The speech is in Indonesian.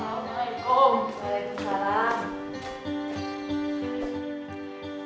assalamualaikum warahmatullahi wabarakatuh